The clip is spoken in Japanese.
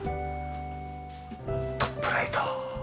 トップライト。